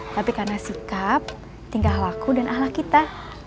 tapi karena sikap tingkah laku dan ahlak kita